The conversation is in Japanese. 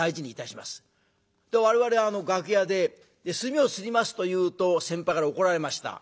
我々楽屋で「墨をすります」と言うと先輩から怒られました。